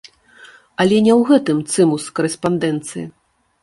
Але не ў гэтым цымус карэспандэнцыі.